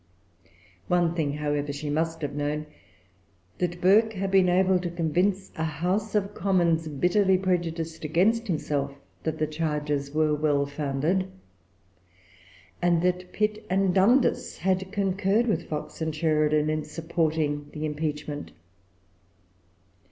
One thing, however, she must have known, that Burke had been able to convince a House of Commons, bitterly prejudiced against himself, that the charges were well founded, and that Pitt and Dundas had concurred with Fox and Sheridan in supporting the impeachment.